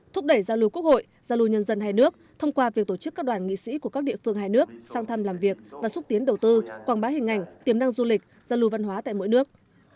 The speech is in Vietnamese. thúc đẩy giao lưu quốc hội giao lưu nhân dân hai nước thông qua việc tổ chức các đoàn nghị sĩ của các địa phương hai nước sang thăm làm việc và xúc tiến đầu tư quảng bá hình ảnh tiềm năng du lịch giao lưu văn hóa tại mỗi nước